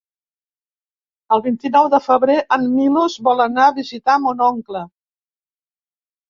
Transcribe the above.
El vint-i-nou de febrer en Milos vol anar a visitar mon oncle.